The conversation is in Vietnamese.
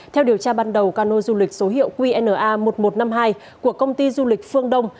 theo điều tra ban đầu cano du lịch số hiệu qna một nghìn một trăm năm mươi hai của công ty du lịch phương đông